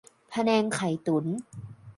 พะแนงไข่ตุ๋น